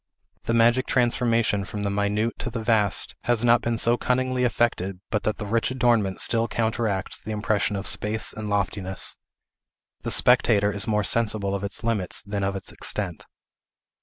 The magic transformation from the minute to the vast has not been so cunningly effected but that the rich adornment still counteracts the impression of space and loftiness. The spectator is more sensible of its limits than of its extent.